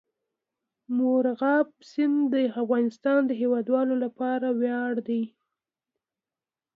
مورغاب سیند د افغانستان د هیوادوالو لپاره ویاړ دی.